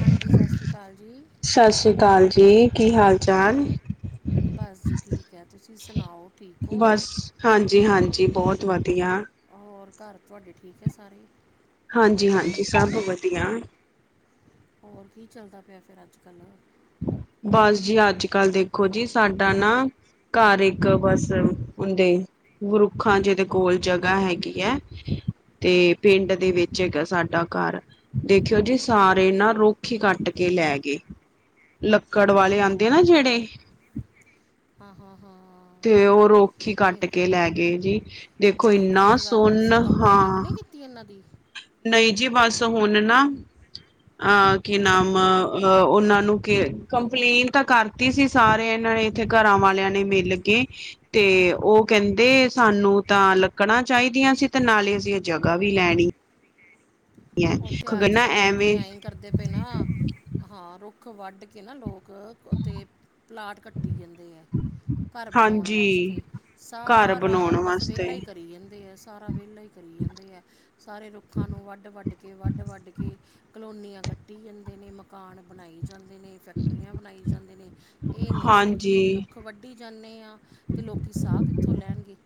ਹਾਂਜੀ ਸਤਿ ਸ਼੍ਰੀ ਅਕਾਲ ਜੀ। ਸਤਿ ਸ੍ਰੀ ਅਕਾਲ ਜੀ ਕੀ ਹਾਲ ਚਾਲ? ਬਸ ਜੀ ਠੀਕ ਐ ਤੁਸੀਂ ਸੁਣਾਓ? ਠੀਕ ਹੋ ਬਸ ਹਾਂਜੀ-ਹਾਂਜੀ ਬੋਤ ਵਧੀੱਆ। ਹੋਰ ਘਰ ਤੁਹਾਡੇ ਠੀਕ ਹੈ ਸਾਰੇ? ਹਾਂਜੀ-ਹਾਂਜੀ ਸਭ ਵਧੀਆ ਹੋਰ ਕੀ ਚੱਲਦਾ ਪਿਆ ਫਿਰ ਅੱਜ ਕੱਲ੍ਹ ਬਸ ਜੀ ਅੱਜ- ਕੱਲ ਦੇਖੋ ਜੀ ਸਾਡਾ ਨਾ ਘਰ ਇੱਕ ਬਸ ਹੁੰਦੇ ਵਰੁੱਖਾਂ ਜਿਦੇ ਕੋਲ ਜਗ੍ਹਾ ਹੈਗੀ ਹੈ 'ਤੇ ਪਿੰਡ ਦੇ ਵਿੱਚ ਹੈਗਾ ਸਾਡਾ ਘਰ ਦੇਖਿਓ ਜੀ ਸਾਰੇ ਨਾ ਰੁੱਖ ਈ ਕੱਟ ਕੇ ਲੈ ਗਏ ਲੱਕੜ ਵਾਲੇ ਆਂਦੇ ਆ ਨਾ ਜੇੜੇ ਹਾਂ-ਹਾਂ-ਹਾਂ-ਹਾ 'ਤੇ ਓ ਰੋਖ ਈ ਕੱਟ ਕੇ ਲੈ ਗਏ ਜੀ, ਦੇਖੋ ਏਨਾ ਸੋਨ ਹਾਂ ਗਲਤੀ ਏਨਾਂ ਦੀ ਨਹੀਂ ਜੀ ਬਸ ਹੁਣ ਨਾ ਅਹ ਕੀ ਨਾਮ ਅ ਓਨਾਂ ਨੂੰ ਕੇ ਕੰਪਲੇਨ ਤਾਂ ਕਾਰ ਕੀਤੀ ਸੀ ਸਾਰੇ ਏਨਾਂ ਨੇ ਏਥੇ ਘਰਾਂ ਵਾਲੇਆਂ ਨੇ ਮਿਲ ਕੇ 'ਤੇ ਓ ਕੇਂਦੇ ਸਾਨੂੰ ਤਾਂ ਲੱਕੜਾਂ ਚਾਈਦੀਆਂ ਸੀ ਤੇ ਨਾਲੇ ਅਸੀਂ ਏ ਜਗ੍ਹਾ ਵੀ ਲੈਣੀ ਹੈ ਓਥੇ ਗਨਾ ਅੱਜ-ਕੱਲ੍ਹ ਲੋਕੀ ਐਵੇਂ ਐਂ ਈ ਕਰਦੇ ਪਏ ਨਾ ਹਾਂ ਰੋਖ ਵੱਢ ਕੇ ਨਾ ਲੋਕ ਓਥੇ ਪਲਾਟ ਕੱਟੀ ਜਾਂਦੇ ਐ ਘਰ ਬਣੋਨ ਹਾਂਜੀ ਵਾਸਤੇ, ਘਰ ਬਣਾਉਣ ਸਾਰਾ ਬਸ ਵਾਸਤੇ ਵੇਲਾ ਈ ਕਰੀ ਜਾਂਦੇ ਆ ਸਾਰਾ ਵੇਲਾ ਈ ਕਰੀ ਜਾਂਦੇ ਐ, ਸਾਰੇ ਰੁੱਖਾਂ ਨੂੰ ਵੱਡ- ਵੱਡ ਕੇ' ਵੱਢ-ਵੱਢ ਕੇ ਕਲੋਨੀਆਂ ਕੱਟੀ ਜਾਂਦੇ ਨੇ ਮਕਾਨ ਬਣਾਈ ਜਾਂਦੇ ਨੇ ਫੈਕਟਰੀਆਂ ਬਣਾਈ ਜਾਂਦੇ ਨੇ ਏ ਨਈ ਹਾਂਜੀ ਸੋਚਦੇ ਵੀ ਰੁੱਖ ਵੱਢੀ ਜਾਂਨੇ ਆ ਤੇ ਲੋਕੀ ਸਾਹ ਕਿੱਥੋਂ ਲੈਣਗੇ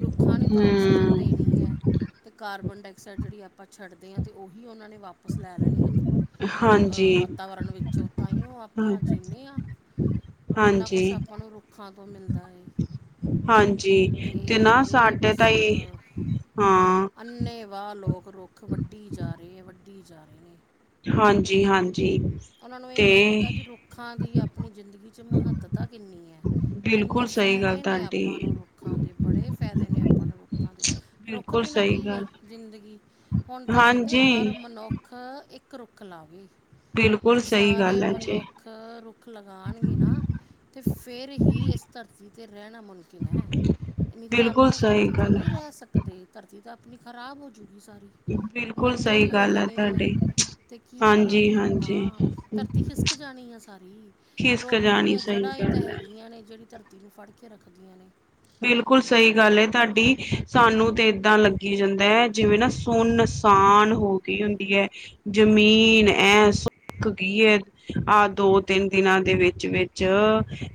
ਰੁੱਖਾਂ ਨੇ ਤੋਕਸ ਆਕਸੀਜਨ ਹਮ ਦੇਣੀ ਐ, ਤੇ ਕਾਰਬਨ ਡਾਇਆਕਸਾਈਡ ਜੇੜੀ ਆਪਾਂ ਛੱਡਦੇ ਆ ਤੇ ਉਹੀ ਉਹਨਾਂ ਨੇ ਵਾਪ ਵਾਪਸ ਲੈ ਲੈਣੀ ਐ, ਅ ਹਾਂਜੀ ਵਾਤਾਵਰਨ ਵਿੱਚੋਂ ਤਾਂਹੀਓ ਆਪਾਂ ਜੀਂਨੇ ਆ ਕਿੰਨਾ ਕੁਛ ਹਾਂਜੀ ਆਪਾਂ ਨੂੰ ਰੁੱਖਾਂ ਤੋਂ ਮਿਲਦਾ ਏ। ਹਾਂਜੀ ਤੇ ਨਾ ਸਾਢੇ ਤਾ ਈ ਹਾਂ ਅੰਨੇ ਵਾਹ ਲੋਕ ਰੋਖ ਵੱਢੀ ਜਾ ਰਹੇ ਨੇ-ਵੱਢੀ ਜਾ ਰਹੇ ਨੇ ਹਾਂਜੀ -ਹਾਂਜੀ। ਓਨਾਂ ਨੂੰ ਏ ਤੇ ਨਈ ਪਤਾ ਕੀ ਰੁੱਖਾਂ ਦੀ ਆਪਣੀ ਜ਼ਿੰਦਗੀ 'ਚ ਮਹੱਤਤਾ ਕਿੰਨੀ ਐ। ਕਿੰਨੇ ਬਿਲਕੁਲ ਸਹੀ ਗੱਲ ਫਾਇਦੇ ਨੇ ਤੁਹਾਡੀ ਆਪਾਂ ਨੂੰ ਰੁੱਖਾਂ ਦੇ, ਬੜੇ ਫਾਇਦੇ ਨੇ ਆਪਾਂ ਨੂੰ ਰੁੱਖਾਂ ਦੇ ਰੁੱਖ ਬਿਲਕੁਲ ਬਿਨਾਂ ਸਹੀ ਕੀ ਐ ਗੱਲ ਜ਼ਿੰਦਗੀ ਹੁਨ ਤਾਂ ਕਹਿੰਦੇ ਹਰ ਹਾਂਜੀ ਮ ਮਨੁੱਖ ਇੱਕ ਰੁੱਖ ਲਾਵੇ ਬਿਲਕੁਲ ਜੇ ਸਹੀ ਸਾਰੇ ਗੱਲ ਹੈ ਜੀ ਮਨੁੱਖ ਰੁੱਖ ਲਗਾਨਗੇ ਨਾ ਤੇ ਫੇਰ ਹੀ ਇਸ ਧਰਤੀ ਤੇ ਰਹਿਣਾ ਮੁਮਕਿਨ ਹੈ। ਨੀ ਤਾਂ ਬਿਲਕੁਲ ਆਪਾਂ ਇਸ ਸਹੀ ਧਰਤੀ ਤੇ ਗੱਲ ਨੀ ਹੈ, ਰਹਿ ਸਕਦੇ। ਧਰਤੀ ਤਾਂ ਆਪਨੀ ਖ਼ਰਾਬ ਹੋਜੂਗੀ ਸਾਰੀ ਬਿਲਕੁਲ, ਬੰਜਰ ਸ‌ਈ ਹੀ ਹੋ ਗੱਲ ਆ ਜਾਣੀ ਹੈ ਤਾਡੀ ਤੇ ਕੀ ਕਰਾਂਗੇ ਆਪਾਂ ਧਰਤੀ ਖਿਸਕ ਜਾਨੀ ਆ ਸਾਰੀ, ਖਿਸਕ ਰੁੱਖ ਜਾਣੀ ਦੀਆਂ ਸਹੀ ਜੜ੍ਹਾਂ ਹੀ ਤਾਂ ਗੱਲ ਹੈ ਗੀਆਂ ਨੇ ਜਿਹੜੀ ਧਰਤੀ ਨੂੰ ਫੜ ਕੇ ਰੱਖਦੀਆਂ ਨੇ ਬਿਲਕੁਲ ਸਹੀ ਗੱਲ ਏ ਤੁਹਾਡੀ, ਸਾਨੂੰ ਤੇ ਏਦਾਂ ਲੱ ਕੀ ਜਾਂਦਾ ਹੈ ਜਿਵੇਂ ਨਾ ਸੁਨਸਾਨ ਹੋ ਗਈ ਹੁੰਦੀ ਐ। ਜ਼ਮੀਨ ਐ ਸੁੱਖ ਗੀਅ ਆਹ ਦੋ, ਤਿੰਨ ਦਿਨਾਂ ਦੇ ਵਿਚ-ਵਿਚ ਚ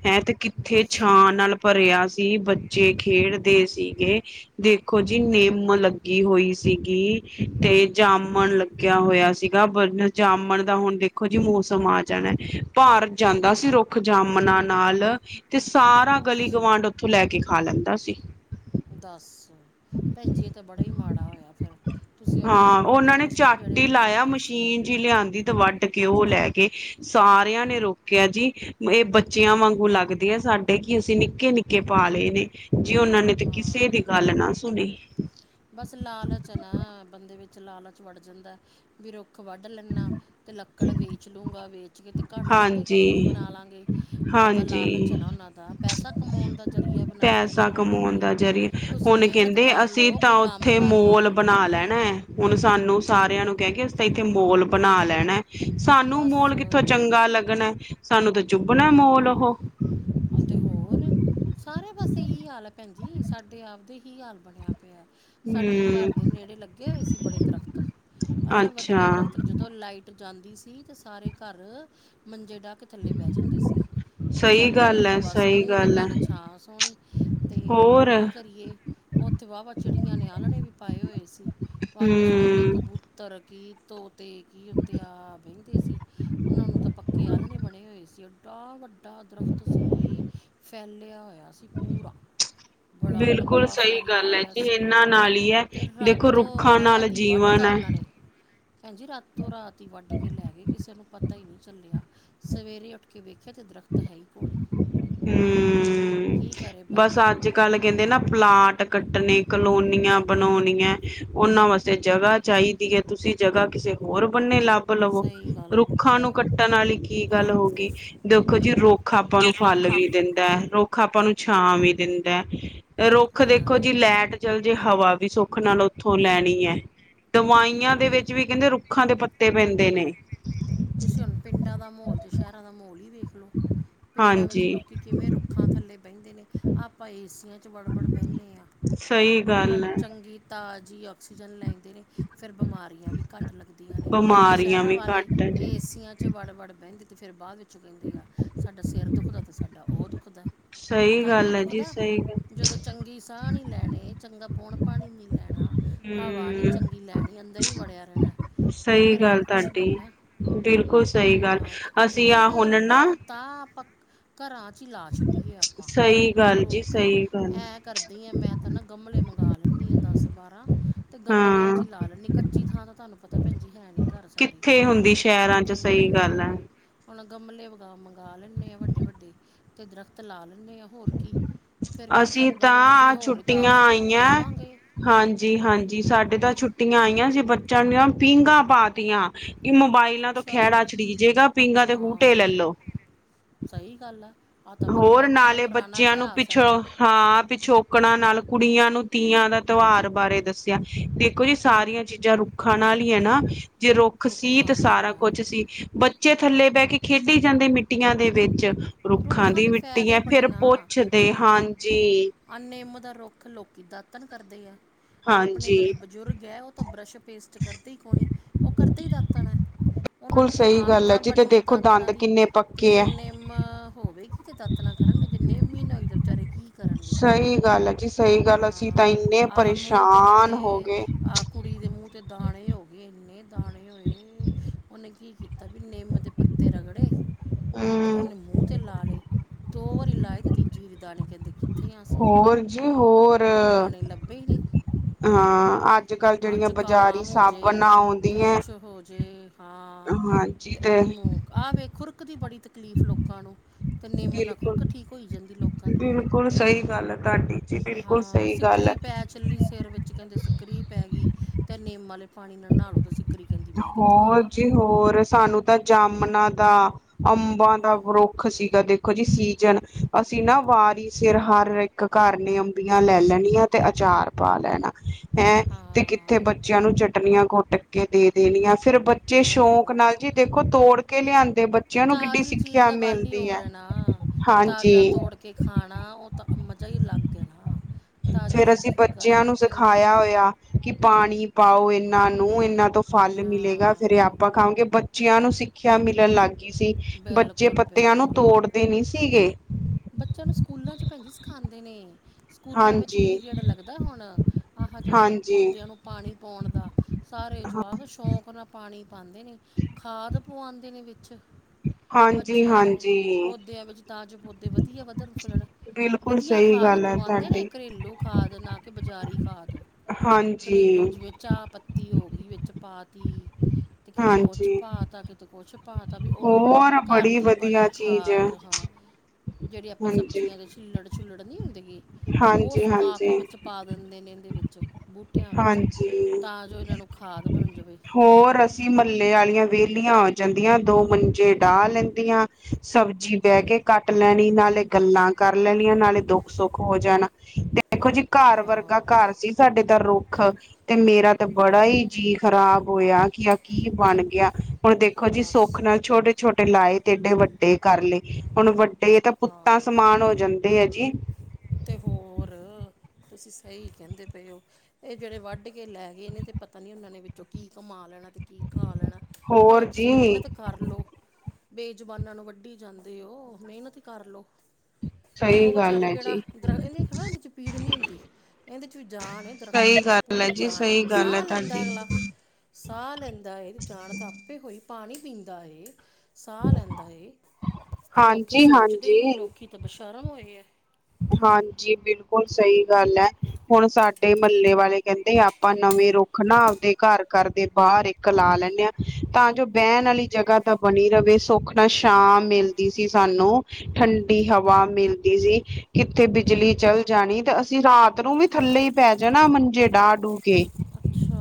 ਹੈਂ ਤੇ ਕਿੱਥੇ ਦੱਸ ਹੂੰ ਛਾਂ ਨਾਲ ਭਰਿਆ ਸ ਬੱਚੇ ਖੇਡਦੇ ਸੀਗੇ। ਦੇਖੋ ਜੀ, ਨਿੰਮ ਲੱ ਲੱਗੀ ਹੋਈ ਸੀਗੀ ਤੇ ਜਾਮਣ ਲੱਗਿਆ ਹੋਇਆ ਸੀਗਾ, ਜਾਮਣ ਦਾ ਹੁਨ ਜਿਹੀ ਮੌਸਮ ਆ ਜਾਣਾ। ਭਾਰ ਜਾਂਦਾ ਸੀ ਰੁੱਖ ਜਾਮਨਾ ਨਾਲ ਤੇ ਸਾਰਾ ਗਲੀ ਦੱਸ ਗਵਾਂਢ ਉੱਥੋਂ ਲੈ ਕੇ ਖਾ ਲੈਂਦਾ ਸੀ। ਦਸ--ਭੈਣ ਜੀ, ਏ ਤਾਂ ਬੜਾ ਹੀ ਮਾੜਾ ਹੋਇਆ। ਫਿਰ ਤੁਸੀਂ ਉਹਨਾਂ ਨੂੰ ਹਾਂ, ਉਨਾਂ ਨੇ ਰੋਕਣਾ ਸੀ ਨਾ ਝਟ ਜਿਹੜੇ ਹੀ ਵੱਢਣ ਲਾਇਆ। ਆਏ ਸੀ ਮਸ਼ੀਨ ਜੀ ਲਿਆਂਦੀ ਤਾਂ ਵਡ ਕੱਟ ਕੇ ਔ ਲੈਗੇ, ਸਾਰਿਆਂ ਨੇ ਰੋਕਿਆ ਜੀ। ਏ ਬੱਚਿਆਂ ਵਾਂਗੂ ਲੱਗਦੇ ਆ, ਸਾਡੇ ਕਿ ਅਸੀਂ ਨਿੱਕੇ-ਨਿੱਕੇ ਪਾਲੇ ਨੇ ਜੀ ਉਹਨਾਂ ਨੇ ਤੇ ਹਾਂ ਕਿਸੇ ਦੀ ਗੱਲ ਨਾ ਸੁਨੀ। ਬਸ, ਲਾਲਚ ਨਾ, ਬੰਦੇ ਵਿੱਚ ਲਾਲਚ ਵੜ ਜਾਂਦਾ। ਵੀ ਰੁੱਖ ਵੱਡ ਲੈਂਨਾ ਅਤੇ ਲੱਕੜ ਵੇਚ ਲੂੰਗਾ ਵੇਚ ਤੇ ਘਟ ਲਾਂਗੇ ਕੁਈ ਚੀਜ਼ ਹਾਂਜੀ ਬਣਾ ਲਾਂਗੇ, ਆਪ ਦਾ ਲਾਲਚ ਹਾਂਜੀ ਆਨਾ ਉਨਾਂ ਦਾ ਪੈਸਾ ਕਮਾਉਨ ਦਾ ਜ਼ਰੀਆ ਬਨਾਈ ਪੈਸਾ ਜਾਂਦੇ ਨੇ ਕਮਾਉਣ ਲੋਕੀ, ਦਾ ਜ਼ਰੀਆ ਤੁਸੀਂ ਮੇਹਨਤ ਕਰ ਲਓ, ਕੋਈ ਕੰਮ ਇੱਥੇ ਕਾਰ ਕਰ ਮੋਲ ਬਣਾ ਲਓ ਲੈਣਾ ਹੈ। ਹੁਣ ਸਾਨੂੰ ਸਾਰਿਆਂ ਨੂੰ ਕਹਿ ਕੇਦਾ ਇੱਥੇ ਮੋਲ ਬਣਾ ਲੈਣਾ। ਸਾਨੂੰ ਬਸ ਮੋਲ ਕਿੱਥੋਂ ਚੰਗਾ ਲੱਗਨਾ। ਸਾਨੂੰ ਤਾਂ ਚੁੱਭਣਾ ਮੋਲ ਹਾਂ ਉਹ ਅਤੇ ਹੋਰ ਸਾਰੇ ਪਾਸੇ ਹੀ ਹਾਲ ਹੈ ਭੈਣ ਜੀ। ਸਾਡੇ ਆਪਦੇ ਹੀ ਹਾਲ ਬਣਿਆ ਪਿਆ। ਸਾਡੇ ਘਰ ਹਮ ਦੇ ਨੇੜੇ ਲੱਗੇ ਹੋਏ ਸੀ ਬੜੇ ਦਰਖਤ ਐਂ ਅੱਛਾ ਵਧੀਆ ਦਰਖਤ ਜਦੋਂ ਜਦੋਂ ਲਾਈਟ ਜਾਂਦੀ ਸੀ ਤੇ ਸਾਰੇ ਘਰ ਮੰਜੇ ਡਾ ਕੇ ਥੱਲੇ ਬੇ ਜਾਂਦੇ ਸੀ। ਬੀ ਸਹੀ ਚੱਲ ਗੱਲ ਹੈ ਹਵਾ ਸਹੀ ਸੋਨੀ ਤੇ ਗੱਲ ਹੈ ਨਾਲੇ ਛਾਂ ਸੋਨੀ ਤੇ ਹੋਰ ਕੀ ਕਰੀਏ ਉੱਥੇ ਵਾਵਾ ਚਿੜੀਆਂ ਨੇ ਆਲਣੇ ਵੀ ਪਾਏ ਹੋਏ ਸੀ, ਵਨ ਸੁਵਨੇ ਹਮ ਕਬੂਤ ਤਰ ਕੀ, ਤੋਤੇ ਕੀ, ਉੱਤੇ ਆ ਤੇ ਸੀ ਉਨਾਂ ਨੂੰ ਤਾਂ ਪੱਕੇ ਆਲਨੇ ਬਨੇ ਹੋਏ ਸੀ। ਡਾ ਵੱਡਾ ਦਰੱਖਤ ਸੀ। ਫੈਲਿਆ ਹੋਇਆ ਸੀ ਪੂਰਾ ਬੜਾ ਬਿਲਕੁਲ ਲੰਬਾ ਸਹੀ ਫੈਲਿਆ ਗੱਲ ਹੈ ਹੋਇਆ ਜੀ ਸੀ ਇਹਨਾਂ ਨਾਲ ਹੀ ਹੈ ਤੇ ਦੇਖੋ ਰਾਤੋਂ-ਰਾਤ ਰੁੱਖਾਂ ਨਾਲ ਰਾਤੀ ਵੱਢ ਜੀਵਨ ਤਾ ਹੈ ਉਨਾਂ ਨੇ--ਭੈਣ ਜੀ, ਰਾਤੋ-ਰਾਤ ਈ ਵੱਢ ਕੇ ਕੇ ਲੈ ਗੇ ਕਿਸੇ ਨੂੰ ਪਤਾ ਹੀ ਨੀ ਚੱਲਿਆ। ਸਵੇਰੇ ਉੱਠ ਕੇ ਵੇਖੇ ਤੇ ਦਰਖਤ ਹੈ ਹੀ ਕੋ ਹੂੰ--ਬਸ, ਬੰਦਾ ਅੱਜ-ਕੱਲ ਕਹਿੰਦੇ ਨਾ ਪਲਾਟ ਕੱਟਨੇ ਕਲੋਨ ਨੀਆਂ ਬਨੋਨਿਐ ਓਨਾਂ ਵਾਸਤੇ ਜਗ੍ਹਾ ਚਾਹੀਦੀ ਹੈ। ਤੁਸੀਂ ਜਗ੍ਹਾ ਕਿਸੇ ਹੋਰ ਬੰਨੇ ਲਬ ਲਵੋ ਸਹੀ ਗੱਲ ਰੁੱਖਾਂ ਨੂੰ ਬਿਲਕੁਲ ਕੱਟਣ ਵਾਲੀ ਕੀ ਗੱਲ ਹੋ ਗਈ। ਦੇਖੋ ਜੀ! ਰੁੱਖ ਆਪਾਂ ਜੇ ਨੂੰ ਫਲ ਰੋਖਾ ਵੀ ਦਿੰਦਾ ਹੈ, ਰੁੱਖ ਆਪਾਂ ਨੂੰ ਛਾਂ ਵੀ ਦਿੰਦਾ, ਰੁੱਖ ਦੇਖੋ ਜੇ ਹਾਂ ਲੈਟ ਚਲ ਜੇ ਹਵਾ ਵੀ ਸੁੱਖ ਨਾਲ ਉੱਥੋਂ ਲੈਣੀ ਹੈ। ਦਵਾਈਆਂ ਦੇ ਵਿੱਚ ਵਿੱਚ ਵੀ ਕਹਿੰਦੇ- ਰੁੱਖਾਂ ਦੇ ਪੱਤੇ ਪੈਂਦੇ ਨੇ ਤੁਸੀਂ ਹੁਣ ਪਿੰਡਾਂ ਦਾ ਮੌਲ ਤੇ ਸ਼ਹਿਰਾਂ ਦਾ ਮੌਲ ਹੀ ਵੇਖਲੋ ਪਿੰਡਾਂ ਵਿੱਚ ਹਾਂਜੀ ਲੋਕੀ ਕਿਵੇਂ ਰੁੱਖਾਂ ਥੱਲੇ ਬੈਂਦੇ ਨੇ, ਆਪਾਂ ਏਸੀਆਂ ਚ- 'ਚ ਬੜਬੜ ਬੈਣੇ ਆਂ, ਸਹੀ ਓਨਾਂ ਗੱਲ ਨੂੰ ਹੈ ਚੰਗੀ ਤਾਜ਼ੀ ਆਕਸੀਜਨ ਲੈਂਦੇ ਨੇ। ਫੇਰ ਬਿਮਾਰੀਆਂ ਵੀ ਘੱਟ ਲੱਗਦੀਆਂ ਨੇ, ਆ ਬਿਮਾਰੀਆਂ ਸ਼ਹਿਰਾਂ ਵੀ ਵਾਲੇ- ਘੱਟ ਹੈ ਜੀ ਏਸੀਆਂ ਚ ਵੜ ਵੜ ਬੈਂਦੇ, ਤੇ ਫੇਰ ਬਾਦ ਵਿੱਚੋਂ ਕੈਂਦੇ ਆ ਸਾਡਾ ਸਿਰ ਦੁੱਖ ਦਾ। ਸਾਡਾ ਓ ਦੁਖਦਾ, ਸਹੀ ਤਾਂਈਓ ਈ ਗੱਲ ਹੈ ਜੀ ਦੁਖਦਾ, ਸਹੀ ਗੱਲ ਜਦੋਂ- ਚੰਗੀ ਸਾ ਨੀ ਲੈਣੇ, ਚੰਗਾ ਪੋਣ -ਪਾਣੀ ਨੀ ਲੈਣਾ। ਹਵਾ ਨੀ ਹਮ ਚੰਗੀ ਲੈਣੀ, ਅੰਦਰ ਈ ਵੜਿਆ ਰੈਣਾ, ਤੇ ਸਹੀ ਫੇਰ ਆਹੀ ਗੱਲ ਕੁਛ ਈ ਤੁਹਾਡੀ ਬੰਨਣਾ। ਬਿਲਕੁਲ ਸ‌ਹੀ ਗੱਲ, ਅਸੀਂ ਇਹ ਆ ਹੁਣ ਨਾ। ਦਰਖਤ ਤਾਂ ਆਪਾਂ ਘਰਾਂ' ਚ ਈ ਲਾ ਛੱਡੀਏ ਆਪਾਂ। ਸਹੀ ਗੱਲ ਜੀ ਰੁੱਖ, ਸਹੀ ਗੱਲ ਐਂ ਕਰਦੀ ਆ ਮੈਂ ਤਾਂ ਨਾ ਗਮਲੇ ਮੰਗਾ ਲੈਂਣੀ ਆਂ ਦਸ- ਬਾਰਾਂ। ਤੇ ਗਮਲਿਆਂ 'ਚ ਹਾਂ ਲਾ ਲੈਣੀ, ਕੱਚੀ ਥਾਂ ਤਾਂ ਤਾਨੂੰ ਪਤਾ ਭੈਣਜੀ ਹੈ ਨੀ ਘਰ ਸਾਡੇ। ਕਿੱਥੇ ਹੁੰਦੀ ਸ਼ਹਿਰਾਂ 'ਚ ਤੇ ਸ‌ਈ ਗੱਲ ਐ। ਹੁਣ ਗਮਲੇ ਵ ਮੰਗਾ ਲੈਂਣੀ ਆਂ ਵੱਡੇ ਵੱਡੇ, ਤੇ ਦਰਖਤ ਲਾ ਲੈਂਣੀ ਆਂ। ਹੋਰ ਕੀ, ਫੇਰ ਕੀ ਚੱਲ ਅਸੀਂ ਮਾੜੀ ਮੋਟੀ ਤਾਂ ਹੋਰ ਤਾਂ ਛੁੱਟੀਆਂ ਆਕਸੀਜਨ ਤਾਂ ਆਈਆਂ ਲਵਾਂਗੇ। ਹਾਂਜੀ- ਹਾਂਜੀ ਸਾਡੇ ਤਾਂ ਛੁੱਟੀਆਂ ਆਈਆਂ ਸੀ, ਬੱਚਿਆਂ ਨੂੰ ਨਾ ਪੀਂਘਾਂ ਪਾ ਤੀਆਂ। ਈ ਮੋਬਾਇਲਾਂ ਤੋਂ ਅੱਛਾ ਖੈੜਾ ਛੜੀਜੇਗਾ ਪੀਗਾਾਂ ਤੇ ਹੂਟੇ ਲੈਲੋ। ਸਈ ਗੱਲ ਆ। ਆ ਤਾਂ ਵਧੀਆ ਹੋਰ ਆਪਣਾ ਨਾਲੇ ਪੁਰਾਣਾ ਬੱਚਿਆਂ ਨੂੰ ਇਤਿਹਾਸ ਹੈ ਪਿੱਛੋਂ- ਹਾਂ ਪਿਛੋਕੜਾਂ ਨਾਲ ਕੁੜੀਆਂ ਨੂੰ ਤੀਆਂ ਦਾ ਤੋਆਰ ਬਾਰੇ ਦੱਸਿਆ, ਦੇਖੋ ਜੀ ਸਾਰੀਆਂ ਚੀ- ਜਾਂ ਰੁੱਖਾਂ ਨਾਲ ਈ ਐ ਨਾ, ਜੇ ਰੁੱਖ ਸੀ ਤੇ ਰੁੱਖਾਂ ਨਾਲ ਸਾਰਾ ਕੁੱਛ ਸੀ, ਬ- ਚੇ ਥੱਲੇ ਬੈ ਕੇ ਖੇਡੀ ਜਾਂਦੇ ਮਿੱਟੀਆਂ ਦੇ ਵਿੱਚ। ਰੁੱਖਾਂ ਖਾਂਦੀ ਦੇ ਮਿੱਟੀ ਫਾਇਦੇ ਐ, ਬੜੇ ਫਿਰ ਨਾ ਪੁੱਛਦੇ ਹਾਂਜੀ। ਆ ਨਿੰਮ ਦਾ ਰੁੱਖ ਲੋਕੀ ਦਾਤਨ ਕਰਦੇ ਆ। ਆਪਣੇ ਹਾਂਜੀ ਜੇੜੇ ਬਜ਼ੁਰਗ ਐ ਓ ਤਾਂ ਬਰੱਸ਼ ਪੇਸਟ ਕਰਦੇ ‌ਈ ਕੌਣੀ, ਓ ਕਰਦੇ ਈ ਦਾਤਣ ਐ। ਉਨਾਂ ਬਿਲਕੁਲ ਨੂੰ ਤਾਂ ਸਹੀ ਗੱਲ ਹੈ ਆਦਤਾਂ ਜੀ ਤੇ ਬਣੀਆਂ ਦੇਖੋ ਦਾਤਨਾ ਦੰਦ ਦੀ, ਕਿੰਨੇ ਤੇ ਪੱਕੇ ਹੈ ਜਿੰਨੇ- ਨਿੰਮ ਹੋਵੇਗੀ ਤੇ ਦਾਤਣਾ ਕਰਨਗੇ, ਜੇ ਨਿੰਮ ਈ ਨਾ ਹੋਈ ਤੇ ਵਿਚਾਰੇ ਕੀ- ਕਰਨਗੇ, ਸਹੀ ਗੱਲ ਹੈ ਜੀ ਸਹੀ ਗੱਲ ਅਸੀਂ ਹਾਂ ਤਾਂ ਇੰਨੇ ਆਹ ਮੂੰਹ ਤੇ ਪਰੇਸ਼ਾਨ ਹੋ ਕੈਂਦੇ ਗਏ ਆ- ਕੁੜੀ ਦੇ ਮੂੰਹ 'ਤੇ ਦਾਣੇ ਹੋ ਗੇ, ਵੀ ਏਨੇ ਦਾਣੇ ਹੋਏ, ਓਨੇ ਕੀ ਕੀਤਾ ਵੀ ਨਿੰਮ ਦੇ ਪੱਤੇ ਰਗੜੇ- ਤੇ ਹਮ ਉਨੇ ਮੂੰਹ ਤੇ ਲਾ ਲਏ, ਦੋ ਵਾਰੀ ਲਾਈ ਤੇ ਤੀਜੀ ਵਰੀ ਦਾਣੇ ਕੈਂਦੇ ਕਿ- ਥੇ ਆਂ ਅਸੀਂ, ਹੋਰ ਜੀ ਹੋਰ ਦਾਣੇ ਲੱਭੇ ਈ ਨੀ। ਹਾਂ ਅੱਜ ਕੱਲ ਆ ਜਿਹੜੀਆਂ ਬਾਜ਼ਾਰੀ ਜਕਾਮ ਹੋਜੇ, ਸਾਬਣਾਂ ਆਉਂਦੀਆਂ ਕੁਛ ਹੋਜੇ। ਹਾਂ ਤੇ ਓਨੂੰ ਆ ਵੇਖ ਖੁਰਕ ਦੀ ਬੜੀ ਤਕਲੀਫ਼ ਲੋਕਾਂ ਨੂੰ। ਤੇ ਨਿੰਮ ਨਾ ਬਿਲਕੁਲ ਖੁਰਕ ਠੀਕ ਹੋਈ ਜਾਂਦੀ ਲੋਕਾਂ ਦੀ। ਬਿਲਕੁਲ ਸ‌ਈ ਗੱਲ‌ ਐ ਤਾਡੀ ਜੀ, ਬਿਲਕੁਲ ਹਾਂ ਸ‌ਈ ਗੱਲ ਐ। ਸਿੱਕਰੀ ਪੈ ਚੱਲੀ ਸਿਰ ਵਿੱਚ ਕੈਂਦੇ ਸਿਰ ਵਿੱਚ ਸਿਕਰੀ ਪੈ ਗਈ ਤੇ ਨੇਮ ਆਲੇ ਪਾਣੀ ਨਾਲ ਨਾ ਲੋ ਤੁਸੀਂ। ਹੋਰ ਜੀ ਹੋਰ ਸਾਨੂੰ ਤਾਂ ਜਾਮਨਾਂ ਦਾ- ਅੰਬਾਂ ਦਾ ਵਰੁੱਖ ਸੀਗਾ ਦੇਖੋ ਜੀ ਸੀਜਨ, ਅਸੀਂ ਨਾ ਵਾਰੀ ਸਿਰ ਹਰ ਇਕ - ਇਕ ਘਰ ਨੇ ਅੰਬੀਆਂ ਲੈ ਲੈਣੀਆਂ ਤੇ ਅਚਾਰ ਪਾ ਲੈਣਾ। ਹੈਂ, ਤੇ ਕਿੱਥੇ ਹਾਂ ਬੱਚਿਆਂ ਨੂੰ ਚਟਣੀਆਂ ਕੁਟ ਕੇ ਦੇ ਦੇਣੀਆਂ, ਫਿਰ ਬੱਚੇ ਤੇ ਸ਼ੌਕ ਹੋਰ ਨਾਲ- ਜੀ ਦੇਖੋ ਤੋੜ ਕੇ ਲਿਆਂ- ਦੇ ਬੱਚਿਆਂ ਨੂੰ ਕਿੱਡੀ ਤਾਜ਼ੀ ਚੀਜ਼ ਸਿੱਖਿਆ ਦਾ ਗੱਲ ਹੀ ਮਿਲਦੀ ਐ, ਹਾਂਜੀ। ਤੇ ਖਾਣਾ, ਓ ਤਾਂ ਮਜ਼ਾ ਈ ਅਲੱਗ ਐ ਨਾ। ਤਾਜ਼ੀ ਫੇਰ ਚੀਜ਼ ਅਸੀਂ ਦੀ ਤਾਂ ਗੱਲ ਹੀ ਬੱਚਿਆਂ ਨੂੰ ਵੱਖਰੀ ਹੈ ਸਿਖਾਇਆ ਹੋਇਆ। ਕਿ ਪਾਣੀ ਪਾਓ ਏਨਾਂ ਨੂੰ। ਏਨਾਂ ਤੋਂ ਫਲ ਮਿਲੇਗਾ, ਫੇਰ ਹਾਂ ਆਪਾਂ ਖਾਓਗੇ। ਬਚ- ਬੱਚਿਆਂ ਨੂੰ ਸਿੱਖਿਆ ਮਿਲਣ ਲੱਗ ਗਈ ਸੀ। ਬੱਚੇ ਬਿਲਕੁਲ ਪੱਤਿਆਂ ਨੂੰ ਤੋੜਦੇ ਨੀ ਸੀਗੇ। ਬੱਚੇਆਂ ਨੂੰ ਸਕੂਲਾਂ 'ਚ ਭੈਣ ਜੀ ਸਿਖਾਂਦੇ ਨੇ। ਸਕੂਲਾਂ ਵਿੱਚ ਹਾਂਜੀ ਪੀਰੀਅਡ ਲੱਗਦਾ ਹੁਣ, ਆਹ ਜੇੜਾ ਹਾਂਜੀ ਪੌਦਿਆਂ ਨੂੰ ਪਾਣੀ ਪੋਂਣ ਦਾ। ਸਾਰੇ ਜਵਾਕ ਸ਼ੌਂਕ ਨਾਲ ਪਾਣੀ ਪਾਂਦੇ ਨੇ। ਖਾਦ ਪਵਾਉਂਦੇ ਨੇ ਵਿੱਚ। ਹਾਂਜੀ ਬੱਚੇਆਂ ਤੋਂ ਹਾਂਜੀ ਪੌਦਿਆਂ ਵਿੱਚ ਤਾ ਜੋ ਪੌਦੇ ਵਧੀਆ ਵਧਣ- ਫੁੱਲਣ। ਬਿਲਕੁਲ ਵਧੀਆ ਸਹੀ ਖਾਦ ਗੱਲ ਹੈ ਪੁਆਂਦੇ ਨੇ, ਤੁਹਾਡੀ ਘਰੇਲੂ ਖਾਦ ਨਾ ਕਿ ਬਜਾਰੀ ਖਾਦ। ਹਾਂਜੀ। ਘਰੇਲੂ ਜਿਵੇਂ ਚਾਹ ਪੱਤੀ ਹੋ ਗਈ ਵਿੱਚ ਪਾ ਤੀ, ਤੇ ਕਿਤੇ ਕੁਛ ਹਾਂਜੀ ਪਾ ਤਾ ਕਿਤੇ ਤੇ ਕੁਛ ਪਾ ਤਾਂ ਵੀ ਓ ਹੋਰ ਘਰ ਬੜੀ ਦੀ ਵਧੀਆ ਬਣੀ ਚੀਜ਼ ਹੈ। ਖਾਦ ਹਾਂ, ਜੇੜੀ ਆਪਾਂ ਹਾਂਜੀ ਸਬਜ਼ੀਆਂ ਦੇ ਛਿੱਲੜ-ਛੁਲੜ ਨਈਂ ਹੁੰਦੀਗੀ। ਓ ਹਾਂਜੀ ਸੁਕਾ ਹਾਂਜੀ ਕੇ ਵਿੱਚ ਪਾ ਦਿੰਦੇ ਨੇ ਇੰਦੇ ਵਿੱਚ ਬੂਟਿਆਂ ਵਿੱਚ, ਹਾਂਜੀ ਤਾਂ ਜੋ ਏਨਾਂ ਨੂੰ ਖਾਦ ਬਣ ਜਾਵੇ। ਹੋਰ ਮਹੱਲੇ ਵਾਲੀਆਂ ਵੇਹਲੀਆਂ ਹੋ ਜਾਂਦੀਆਂ, ਦੋ ਮੰਜੇ ਡਾਹ ਲੈਂਦੀਆਂ ਸਬਜ਼ੀ ਬਹਿ ਕੇ ਕੱਟ ਲੈਣੀ ਨਾਲੇ ਗੱਲਾਂ ਕਰ ਲੈਣੀਆਂ, ਨਾਲੇ ਦੁੱਖ-ਸੁੱਖ ਹੋ ਜਾਣਾ ਤੇ ਦੇਖੋ ਜੀ ਘਰ ਵਰਗਾ ਹਾਂ ਘਰ ਸੀ ਸਾਡੇ ਦਾ ਰੁੱਖ, ਤੇ ਮੇਰਾ ਤੇ ਬੜਾ ਹੀ ਜੀਅ ਖਰਾਬ ਹੋਇਆ ਕਿ ਆਹ ਕੀ ਬਣ ਗਿਆ। ਹੁਣ ਦੇਖੋ ਜੀ, ਦੱਸ ਸੋਖ ਨਾਲ ਛੋਟੇ-ਛੋਟੇ ਲਾਏ ਤੇ ਏਡੇ ਵੱਡੇ ਕਰ ਲਏ ਹੁਣ ਵੱ ਏ ਤਾਂ ਪੁੱਤਾਂ ਹਾਂ ਸਮਾਨ ਹੋ ਜਾਂਦੇ ਆ ਜੀ। ਤੇ ਹੋਰ, ਤੁਸੀਂ ਸਈ ਕੈਂਦੇ ਪਏ ਓ। ਏ ਜੇੜੇ ਵੱਢ ਕੇ ਲੈ ਗਏ ਏਨਾ ਨੇ ਤਾਂ ਪਤਾ ਨੀਂ ਓਨਾਂ ਨੇ ਵਿੱਚੋਂ ਕੀ ਕਮਾ ਲੈਣਾ, ਤੇ ਕੀ ਖਾ ਲੈਣਾ। ਹੋਰ ਭਲਾ ਤੁਸੀਂ ਜੀ ਮੇਨਤ ਕਰਲੋ, ਬੇਜੁਬਾਨਾਂ ਨੂੰ ਵੱਢੀ ਜਾਂਦੇ ਓ, ਮੇਨਤ ਕਰ ਲੋ। ਸਈ ਗੱਲ ਐਜੀ। ਐ ਦੇਖ ਨਾ, ਏਦੇ ਚ ਪੀੜ ਨੀਂ ਹੁੰਦੀ। ਏਨਦੇ ਚ ਵੀ ਜਾਨ ਐ ਦਰਖਤ ਸਹੀ ਵਿੱਚ ਗੱਲ ਹੈ ਪੂਰੀ ਜੀ ਜਾਨ ਐ, ਸਹੀ ਗੱਲ ਹੈ ਸਾਹ ਲੈਂਦਾ ਤੁਹਾਡੀ ਅਗਲਾ। ਸਾਹ ਲੈਂਦਾ ਏ, ਜਾਣ ਤਾਂ ਆਪੇ ਹੋਈ, ਪਾਣੀ ਪੀਂਦਾ ਏ। ਸਾਹ ਲੈਂਦਾ ਏ, ਤੇ ਲੋਕੀ ਹਾਂਜੀ ਸੋਚਦੇ ਹੀ ਨੀਂ, ਹਾਂਜੀ ਲੋਕੀ ਤਾਂ ਬਸ਼ਰਮ ਹੋਏ ਐ। ਹਾਂਜੀ, ਬਿਲਕੁਲ ਸਈ ਗੱਲ ਐ ਹੁਣ, ਸਾਡੇ ਮਹੱਲੇ ਵਾਲੇ ਕੈਂਦੇ ਆਪਾਂ ਨਵੇਂ ਰੁੱਖ ਨਾ ਆਪਦੇ ਘਰ-ਘਰ ਦੇ ਬਾਹਰ ਇੱਕ ਲਾ ਲੈਂਨੇਂ ਆਂ, ਤਾਂ ਜੋ ਬਹਿਣ ਵਾਲੀ ਜਗ੍ਹਾ ਤਾਂ ਬਣੀ ਰਵੇ, ਸੁੱਖ ਨਾਲ ਛਾਂ ਮਿਲਦੀ ਸੀ ਸਾਨੂੰ। ਠੰਡੀ ਹਵਾ ਮਿਲਦੀ ਸੀ। ਕਿੱਥੇ ਬਿਜਲੀ ਚੱਲ ਜਾਣੀ, ਤੇ ਅਸੀਂ ਰਾਤ ਨੂੰ ਵੀ ਥੱਲੇ ਹੀ ਪੈ ਜਾਣਾ ਮੰਜੇ ਡਾਹ ਡੂ ਕੇ। ਅੱਛਾ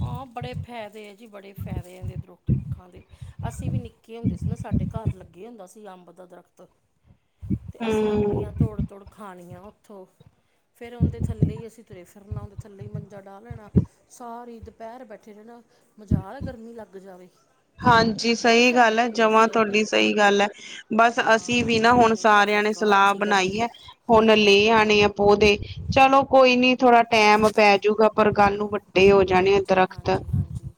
ਹਾਂ, ਬੜੇ ਫ਼ੈਦੇ ਐ ਜੀ, ਬੜੇ ਫੈਦੇ ਐ ਏਦੇ ਦਰੁੱਖ ਰੁੱਖਾਂ ਦੇ। ਅਸੀ ਵੀ ਨਿੱਕੇ ਹੁੰਦੇ ਸੀ ਨਾ, ਸਾਡੇ ਘਰ ਲੱਗੇ ਹੁੰਦਾ ਸੀ ਅੰਬ ਦਾ ਦਰਖਤ। ਤੇ ਅਸੀਂ ਹਮ ਅੰਬੀਆਂ ਤੋੜ-ਤੋੜ ਖਾਣੀਆਂ ਓਥੋ, ਫੇਰ ਓਦੇ ਥੱਲੇ ਹੀ ਅਸੀਂ ਤੁਰੇ ਕਰਨਾ ਓਦੇ ਥੱਲੇ ਮੰਜਾ ਡਾਹ ਲੈਣਾ, ਸਾਰੀ ਦੁਪੈਰ ਬੈਠੇ ਰੈਣਾ। ਮਜਾਲ ਐ, ਗਰਮੀ ਲੱਗ ਜਾਵੇ। ਹਾਂਜੀ, ਬੜੇ ਸਈ ਗੱਲ ਫਾਇਦੇ ਐ, ਹੁੰਦੇ ਜਮਾਂ ਸੀ ਉਹਦੇ ਤੁਆਡੀ ਸਈ ਗੱਲ ਐ। ਬਸ, ਅਸੀਂ ਹਾਂ ਵੀ ਨਾ ਹੁਣ ਪੁਰਾਣੇ ਘਰ ਸਾਰਿਆਂ ਨੇ ਲੱਗਾ ਹੋਇਆ ਸਲਾਹ ਸੀਗਾ ਬਣਾਈ ਐ। ਹੁਣ ਲੈ ਆਣੇ ਆ ਪੌਦੇ ਚਲੋ ਕੋਈ ਨੀ ਥੋੜਾ ਟੈਮ ਪੈਜੂਗਾ ਪਰ ਕੱਲ ਨੂੰ ਵੱਡੇ ਹੋ ਜਾਣੇ ਐ ਹਾਂਜੀ ਦਰਖਤ। ਹਾਂਜੀ ਹਾਂਜੀ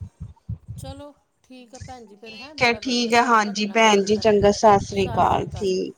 ਚਲੋ ਠੀਕ ਐ ਭੈਣ ਜੀ, ਫੇਰ ਹੈਂ ਠੀਕ ਹੈ ਬੜਾ ਵਧੀਆ ਠੀਕ ਹੈ ਲੱਗਿਆ ਤੁਆਡੇ ਹਾਂਜੀ ਨਾਲ ਭੈਣ ਗੱਲ ਜੀ ਕਰਕੇ, ਚੰਗਾ ਸਤਿ ਸ੍ਰੀ ਸਸ ਸ਼੍ਰੀ ਅਕਾਲ। ਠੀਕ